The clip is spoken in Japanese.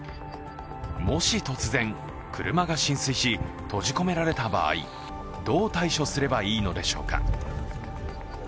もし突然車が浸水し、閉じ込められた場合どう対処すればいいのでしょうか。